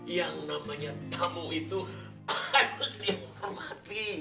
yang namanya tamu itu harus dihormati